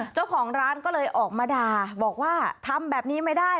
เจ้าของร้านก็เลยออกมาด่าบอกว่าทำแบบนี้ไม่ได้